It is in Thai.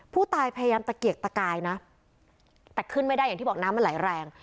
ผู้ตายพยายามตะเกียกตะกายนะแต่ขึ้นไม่ได้อย่างที่บอกน้ำมันไหลแรง